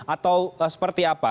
atau seperti apa